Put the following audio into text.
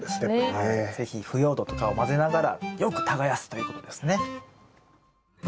是非腐葉土とかを混ぜながらよく耕すということですね。